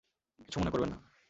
কিছু মনে করবেননা।